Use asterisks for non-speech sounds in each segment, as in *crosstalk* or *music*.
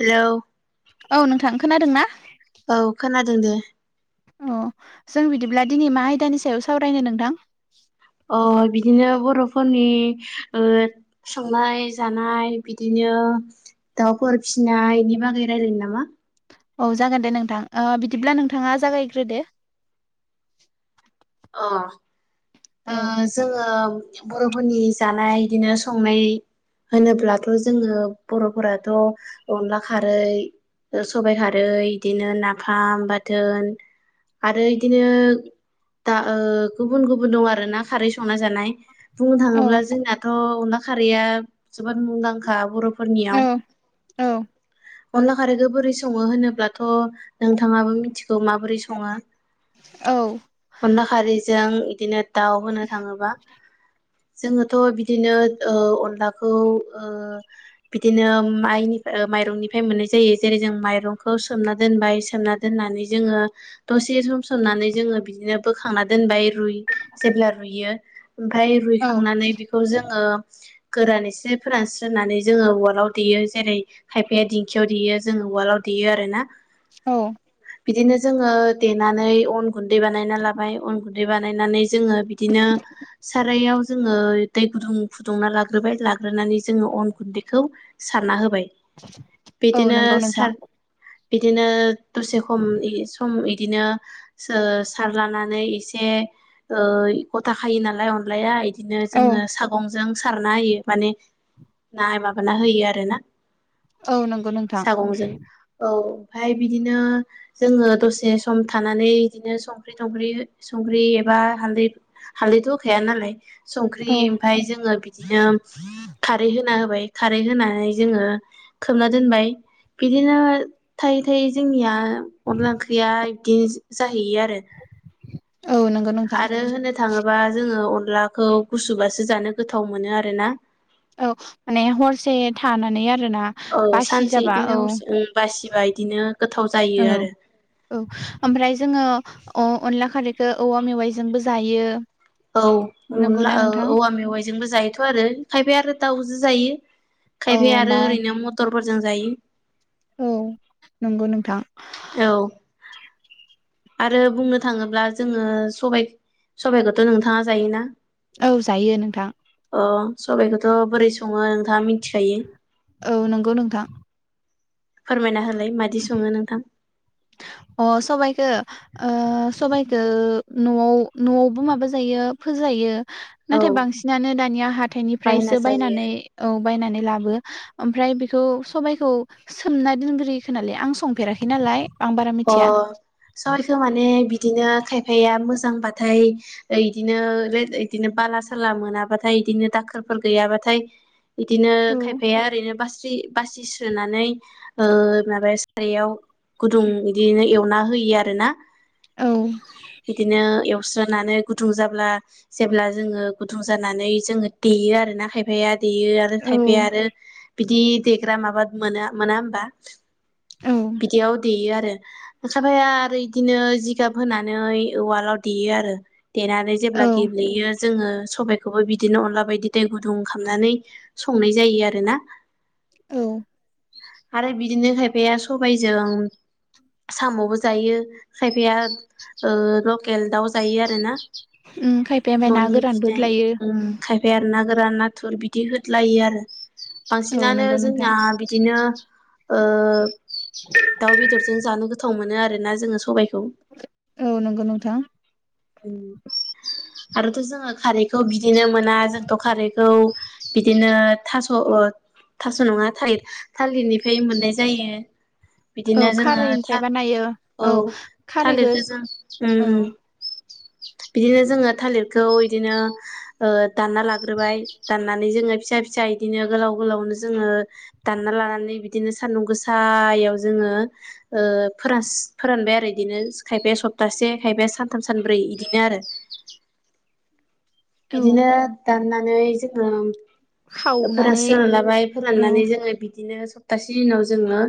हेल' औ नोंथां खोनादों ना औ खोनादों दे अ जों बिदिब्ला दिनै मा आयदानि सायाव सावरायनो नोंथां अ बिदिनो बर'फोरनि संनाय जानाय बिदिनो उ दाउफोर फिनाय बेनि बागै रायलायनो नामा औ जागोन दे नोंथां बिदिब्ला नोंथाङा जागायग्रोदो अ ओ औ जोङो बर'फोरनि जानाय बिदिनो संनाय होनोब्लाथ' जोङो बर'फोराथ' अनला खारै सबाइ खारै बिदिनो नाफाम बाथोन आरो इदिनो। दा ओ गुबुन गुबुन दं आरो ना खारै संना जानाय बुंनो औ थाङोब्ला जोंनाथ' अनला। खारिया जोबोद मुंदांखा बर'ब। औ औ। अनला खारैखो‌ बोरै सङो होनोब्लाथ' नोंथाङाबो मिथिगौ माबोरै सङो। औ। अनला खारैजों इदिनो दाउ होनो थाङोबा। जोङोथ' बिदिनो ओ अनलाखौ ओ बिदिनो माइन। ओ माइरंनिफाय मोननाय जायो जेरै जों माइरंखौ सोमना दोनबाय सोमना दोननानै जोंङो। दसे सम सोमनानै जोंङो बिदिनो। बोखांना दोनबाय रुइ जेब्ला रुइयो ओमफाय रुइखांनानै बिखौ जोंङो। गोरान एसे फोरानस्रोनानै जोंङो उवालाव देयो जेरै खायफाया दिंखियाव देयो जोंङोब। उवालाव देयो आरो ना। औ। बिदिनो जोङो देनानै अन गुन्दै बानायना लाबाय अन गुन्दै बानायनानै। जोङो बिदिनो सारायाव जोङो। दै गुदुं फुदुंना लाग्रोबाय लाग्रोनानै जोङो अन गुन्दैखौ सारना होबाय। औ बिदिनो नंगौ नोंथां सारद--। बिदिनो दसे खम इ सम इदिनो सो-सार। लानानै इसे ओय गथा खायोनालाय अनलाया इदिनो औ जोंङो सागंज--। जों सारना होयो माने ना माबाना होयो आरो ना। नंगौ नोंथां सागंजों औ। ओमफाय बिदिनो जोंङो दसे सम थानानै इदिनो सं। *unintelligible* थंख्रि संख्रि एबा हाल्दै हालदैथ' होखाया नालाय। संख्रि ओमफाय जोंङो बिदिनो खारै होना होबाय। खारै होनानै जोङो खोबना दोनबाय बिदिनो थायोद--। थै जोंनिया अनला ओंख्रिया इदि जाहैयो आरो। औ नंगौ नोंथां आरो होननो थाङोबा जों। जोङो अनलाखौ गुसुबासो जानो गोथाव मोनो आरोना। औ माने हरसे थानानै आर--। औ सानसे इदिनो हरसे बासिबा इदिनो। गोथाव जायो औ आरो औ ओमफ्राय जोङो। अ अनला खारैखो औवा मेवाइजोंबो जायो। औ अनला नंगौना औ नोंथां औवा मेवाइजोंबो जायोथ' आरो खायफाया आरो दाउजो जायो। औ खायफाया आरो ओमफ्राय ओरैनो मटरफोरजों जायो। औ नंगौ नोंथां। औ। आरो बुंनो थाङोब्ला जोंङो सबायद सबाइखौथ' नोंथाङा जायोना? औ जायो नोंथां। अ सबबायखौथ' बोरै सङो? नोंथाङा मिथिखायो। औ नंगौ नोंथां। फोरमायना होलाय मादि सङो नोंथां। अ सबायखो ओ सबाइखो न'आव न'आवबो माबा जायो। फोजायो औ नाथाय बांसिनानो दानिया बायना हाथाइनिफ्रायसो जायो। बायनानै औ। बायनानै लाबो ओमफ्राय बेखौ सबबायखौ सोमना दोनग्रोयो खोनालाय आं संफेराखै नालाय। आं बारा मिथिया। *unintelligible* खौ माने बिदिनो खायफाया मोजांबाथाय ओयदिनो रेद इदिनो बालास--। सोला मोनाबाथाय इदिनो दाखोरफोर गैयाबाथाय इदिनो औ खायफाया ओरैनो बास्रि। बासि सोनानै ओ माबाया सायाव गुदुं। बिदिनो एवना होयो आरो ना औ बिदिनो। सुस्रानै गुदुं जाब्ला जेब्ला जोङो गुदुं जानानै जोङो देयो आरोना खायफाया देयो आरो औ खायफाया आरो बिदि देग्रा माबा मोना मोना होमबा बिदियाव देयो आरो ओखफाया आरो इदिनो जिगाब होनानै उवालाव देयो आरो देनानै औ जेब्ला गेब्लेयो जोङो सबायखौबो बिदिनो अनला बायदि दै गुदुं खालामनानै संनाय जायो आरोना औ आरो बिदिनो खायफाया सबायजों साम'बो जायो खायफाया ओ लकेल दाउ जायो आरोना उम खायफाया ओमफ्राय ना न'नि गोरानबो फिनाय लायो उम खायफाया आरो ना गोरान नाथुर बिदि होदलायो आरो औ बांसिनानो नंगौ नोंथां जोंना बिदिनो ओ दाउ बेदरजों जानो गोथाव मोनो आरोना जोङो सबायखौ औ नंगौ नोंथां खौ आरोथ' जोङो खारैखौ बिदिनो मोना जोंथ' खारैखौ बिदिनो थास' थास' नङा थालि थालिरनिफ्राय मोननाय जायो औ बिदिनो जोङो था खारैनिफ्राय बानायो औ खारैखौ थालिरखौ जों उम औ उम *inaudible* बिदिनो जोङो थालिरखौ बिदिनो ओ दानना लाग्रोबाय दाननानै जोङो फिसा फिसा बिदिनो गोलाव गोलावनो जोङो दानना लानानै बिदिनो सानदुं गोसायाव जोङो ओ फोरास फोरानबाय आरो बिदिनो खायफाया सप्तासे खायफाया सानथाम सानब्रै बिदिनो आरो *inaudible* बिदिनो दाननानै जोङो खावनानै फोरानस्रोनना लाबाय औ फोराननानै जोङो बिदिनो सप्तासे उनाव जोङो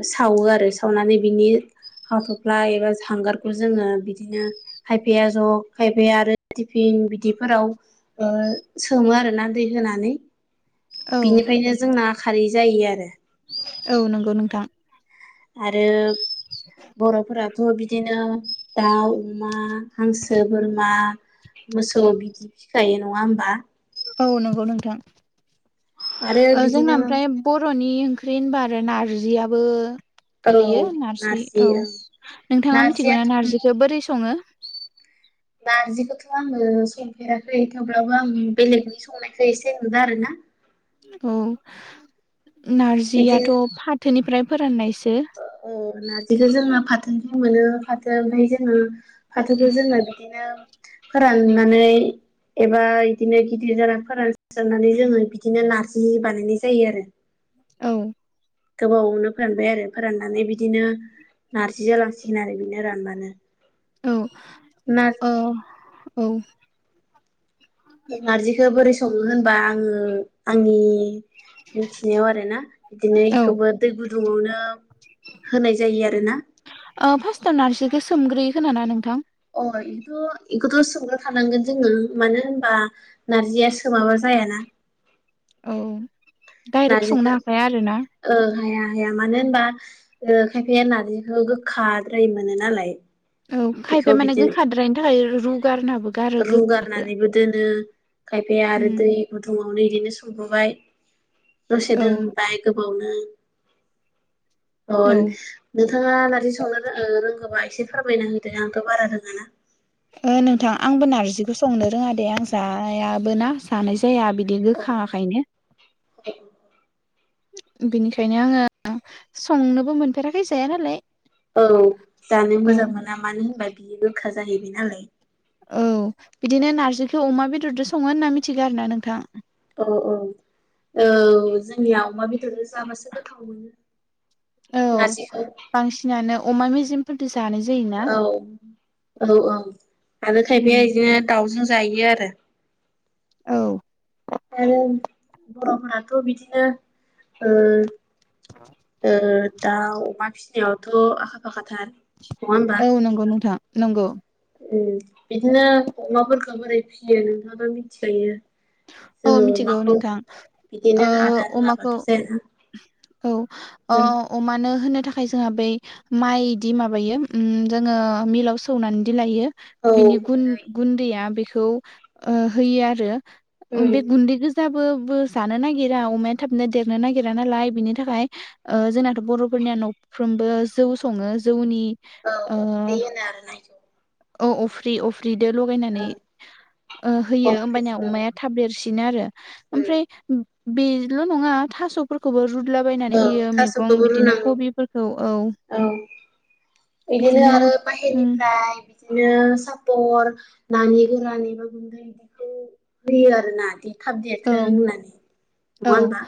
ओ सावो आरो सावनानै बिनि हाथ'फ्ला एबा हांगारखौ जोङो बिदिनो खायफाया ज' खायफाया आरो टिफिन बिदिफोराव ओ सोमो आरोना दै होनानै औ बिनिफ्रायनो जोंना खारै जायो आरो औ नंगौ नोंथां आरो बर'फोरा बो बिदिनो दाउ अमा हांसो बोरमा मोसौ बिदि फिखायो नङा होमबा औ नंगौ नोंथां आरो जोंना ओ बिदिनो ओमफ्राय बर' नि ओंख्रि होनबा आरो नारजियाबो औ गोलैयो नारजि औ नोंथाङा मिथिगौना नारजियाथ' नारजिखौ बोरै सङो नारजिखौथ' आङो संफेराखै थेवब्लाबो आं बेलेगनि संनायखौ एसे नुदों आरोना औ बिदिनो नारजियाथ' फाथोनिफ्राय फोराननाय ओ नारजिखौ जोङो फाथोनिफ्राय मोनो फाथोया ओमफ्राय जोङो फाथोखौ जोङो बिदिनो फोराननानै एबा बिदिनो गिदिर जारां फोरानसारनानै जोङो बिदिनो नारजि बानायनाय जायो आरो औ गोबावनो फोरानबाय आरो फोराननानै बिदिनो नारजि जालांसिगोन आरो बिनो रानबानो औ नारजि औ औ नारजिखौ बोरै सङो होनबा आङो आंनि मिथिनायाव आरो ना बिदिनो औ बेखौबो दै गुदुङावनो होनाय जायो आरोना ओ फास्स्टआव नारजिखौ सोमग्रोयो खोना ना नोंथां? अ बेथ' बेखौथ' सोमग्रो खानांगोन जोङो मानो होनबा नारजिया सोमाबा जायाना औ डाइरेक्ट नारजिखौ संनो हाखाया आरोना ओ हाया हाया मानो होनबा ओ खायफाया नारजिखौ गोखााद्राय मोनो नालाय औ बेखौ खायफाया माने बिदिनो गोखाद्रायनि थाखाय रुगारनाबो गारो गो रुगारनानैबो दोनो खायफाया आरो उम दै गुदुङावनो इदिनो संबोबाय दसे औ दोनबाय गोबावनो अ औ नोंथाङा नारजि संनो रो ओ रोंगोबा एसे फोरमायना होदो आंथ' बारा रोङाना ओ नोंथां आंबो नारजिखौ संनो रोङा दे आं जायाबोना जानाय जाया बिदि गोखा खायनो औ बिनिखायनो आङो संनोबो मोनफेराखै जाया नालाय औ जानो औ मोजां मोना मानो होनबा बियो गोखा जाहैबाय नालाय औ बिदिनो नारजिखौ अमा बेदरदो सङो होन्ना मिथिगौ आरो ना नोंथां औ औ औ जोंनिया अमा बेदरजों जाबासो गोथाव मोनो औ नारजिखौ बांसिनानो अमा मेजेमफोर औ औ औ आरो खायफाया उम इदिनो दाउजो जायो आरो औ आरो बर'फोराथ' बिदिनो ओ ओ दाउ अमा फिनायावथ' आखा फाखाथार नङा होमबा औ नंगौ नोंथां नंगौ उम बिदिनो अमाफोरखो बोरै फियो नोंथाङाथ मिथिखायो औ जोङो मिथिगौ अमाखौ नोंथां बिदिनो ओ आदार अमाखौ होआबाथ' जाया ना औ ओ अमानो होनो था खाय जोंहा बै माइदि माबायो उम जोङो मिलाव सौनानैदि लायो बिनि गुन गुन्दै गुन्दैया बेखौ ओ होयो आरो ओं उम बे गुन्दै गोज जाबो बो जानो नागिरा अमाया थाबनो देरनो नागिरा नालाय बिनि थाखाय ओ जोंनाथ' बर'फोर फोरनिया न'फ्रोमबो जौ सङो जौनि ओ औ बे *unintelligible* औ अफ्रि अफ्रिदो लगायनानै ओ औ होयो ओमबानिया अफ्रिसो अमाया थाब देरसिनो आरो उम ओमफ्राय बेल' नङा थफोरखौबो रू ला औ बायनानै होयो मैगं थास'खौबो बिदिनो रुनांगौ कबिफोरखौ औ बिदिनो आरो उम बाहेरनिफ्राय बि दिनो सापर नानि गोरानै बो गुन्दै बिदिखौ होयो आरो ना थाब औ देरथों होननानै नङा औ होनबा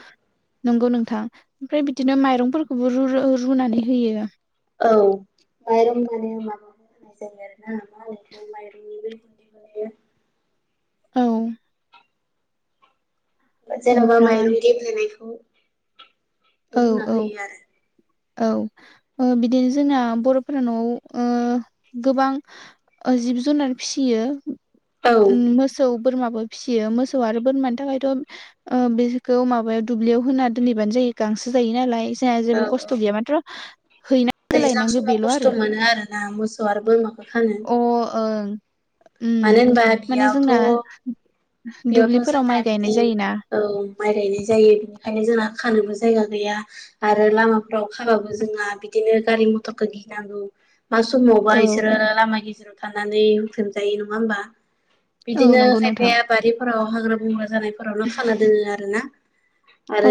नंगौ नोंथां ओमफ्राय बिदिनो माइरंफोरखौबो रू रू रुनानै होयो औ माइरं माने माबाखौ होनाय जायो आरोना मा होनो बेखौ माइरंनि बै गुन्दै बानायो औ जेनबा ओमफ्राय माइरं गेब्लेनायखौ औ रूना औ होयो आरो औ ओ बिदिनो जोंना बर'फोरा न'आव ओ गोबां ओ जिब जुनार फिसियो औ उम मोसौ बोरमाबो फिसियो मोसौ आरो बोरमानि थाखायथ' ओ बेखौ माबायाव दुब्लियाव होना दोनहैबानो जायो गांसो जायो नालाय जोंहा औ जेबो खस्थ' औ गैया माथ्र' हैनांगो लायनांगो बेल' आरो ना मोसौ आरो बोरमा अ ओं उम मानो होनबा माने बियावथ' जोंना बेयावथ' दुब्लिफोराव माइ जोंना गायनाय बिदि जायोना औ माइ गायनाय जायो बिनि ओंखायनो जोंना खानोबो जायगा गैया आरो लामाफ्राव खाबाबो जोंहा बिदिनो गारि मथरखौ गि गिनांगौ मा समावबा औ बिसोरो लामा गेजेराव थानानै हुख्रेमजायो नङा होमबा औ बिदिनो नंगौ नोंथां खायफाया बारिफोराव हाग्रा बंग्रा जानायफोरावनो खाना दोनो आरो ना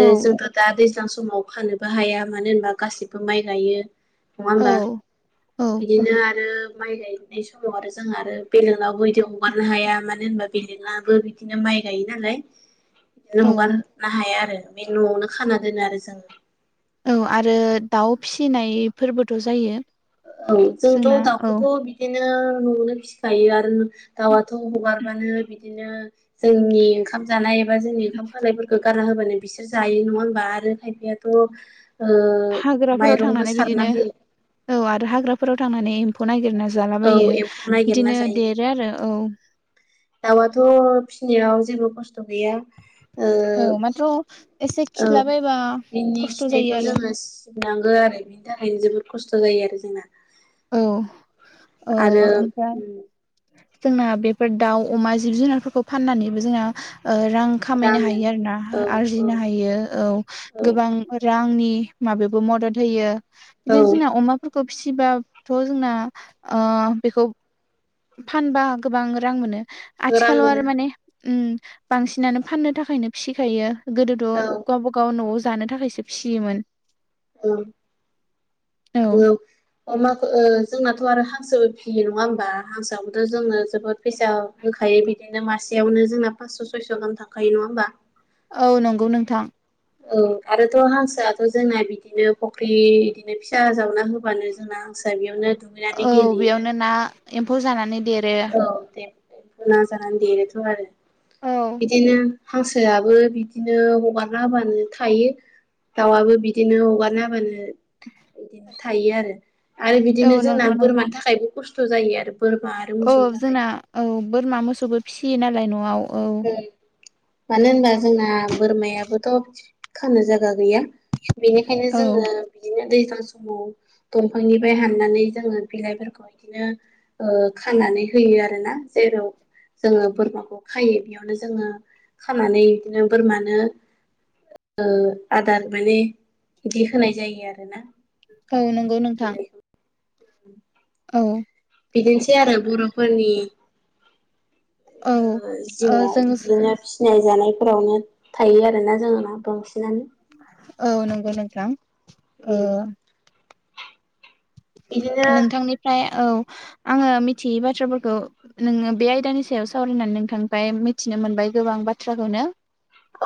औ जोंथ' दा दैज्लां समाव खानोबो हाया मानो होनबा गासिबो माइ गायो नङा औ होमबा औ बिदिनो आरो माइ गाय नाय समाव आरो जोंहा आरो बेलेगनावबो बिदि हगारनो हाया मानो होनबा बेलेग अब्लाबो बिदिनो माइ गायो नालाय बिदिनो औ हगारनो हाया आरो बे न'आवनो खाना दोनो आरो जोङो औ आरो दाउ फिसिनायफोरबोथ' जायो औ जोंना जोंथ' औ दाउखौथ' बिदिनो न'आवनो फिखायो आरो दाउआ' थ' हगारबानो बिदिनो जोंनि ओंखाम जानाय एबा जोंनि ओंखाम खालायफोरखौ गारना होबानो बिसोर जायो नङा होनबा आरो खायफायाथ' हाग्राफोराव माइरंबो सारना होयो खग्राफोराव थांनानै एम्फौ नागिरना औ जालाबायो एम्फौ नागिरना बिदिनो जायो देरो आरो औ दाउआथ' फिसिनायाव जेबो खस्थ' गैया औ माथ्र' एसे खिलाबायबा बिनि खस्थ' जायो खिनायखौ आरो जोङो सिबनानै नंगो आरो बेनि थाखायनो जोबोद खस्थ' जायो आरो जोंना ओ आरो ओमफ्राय जोंना बेफोर दाउ अमा जिब जुनारफोरखौ फाननानैबो जोंना रां खामायनो हायो मोनो आरो ना औ औ आरजिनो हायो औ गोबां रांनि माबायावबो मदद होयो औ बिदिनो जोंना अमाफोरखौ फिसिबा थ' जोंना बेखौ फानबा गोबां रां मोनो रां आथिखालाव मोनो आरो माने बांसिनानो फाननो थाखायनो फिसिखायो औ गोदोथ' गावबागाव न'आव जानो थाखायसो फिसियोमोन औ अमाखौ जोंनाथ' आरो हांसो फिसियो नङा होमबा हांसोआबोथ' जोंनो जोबोद फैसा ख थायो बिदिनो मासेयावनो जोंना फास्स' सयस' गाहाम थांखायो नङा होमबा औ नंगौ नोंथां औ आरोथ' हांसोआथ' जोंना बिदिनो फुख्रि बिदिनो फिसा जावना होबानो जोंना हांसौआ बेयावनो दुगैनानै औ गेलेयो बेयावनो ना एम्फौ जानानै देरो औ देना जानानै देरोथ' आरो बिदिनो हांसोआबो बिदिनो हगार हबानो थायो दाउआबो बिदिनो हगारना हाबानो बिदिनो थायो आरो आरो औ बिदिनो जोंना नंगौ नोंथां बोरमानि थाखायबो खस्थ' जायो आरो बोरमा आरो औ मोसौनि थाखाय। जोंना औ बोरमा मोसौबो फिसियो नालाय न'आव औ मानो होनबा जोंना बोरमायाबोथ' खानो जायगा गैया बेनिखायनो औ जोङो बिदिनो दैज्लां समाव दंफांनिफ्राय हाननानै जोङो बिलाइफोरखौ बिदिनो खानानै होयो आरोना जेराव जोङो बोरमाखौ खायो बेयावनो जोङो खानानै बिदिनो बोरमानो आदार माने बिदि होनाय जायो आरोना औ नंगौ नोंथां बिलाइखौ औ बिदिनोसै आरो बर'फोरनि औ ओ जिउआ जों बिदिनो फिसिनाय जानाय फोरावनो थायो आरोना जोंना बांसिनानो औ नंगौ नोंथां बिदिनो नोंथां निफ्राय औ आङो मिथियै बाथ्राफोरखौ नोङो बे आयदानि सायाव सावरायनानै नोंथांनिफ्राय मिथि नो मोनबाय गोबां बाथ्राखौनो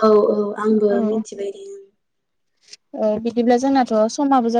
औ औ आंबो औ मिथिबायदि बिदिब्ला जोंनाथ' समाब्ला